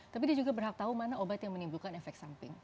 tapi dia juga berhak tahu mana obat yang menimbulkan efek samping